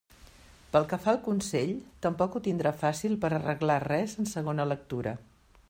Pel que fa al Consell, tampoc ho tindrà fàcil per arreglar res en segona lectura.